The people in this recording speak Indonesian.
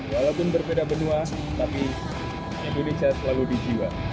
walaupun berbeda benua tapi indonesia selalu di jiwa